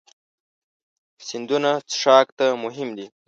سیندونه څښاک ته مهم دي.